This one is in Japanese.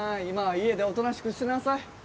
今は家でおとなしくしてなさい。